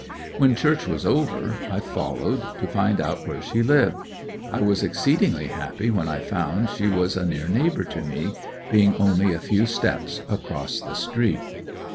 When church was over I followed, to find out where she lived. I was exceedingly happy when I found she was a near neighbor to me, being only a few steps across the street.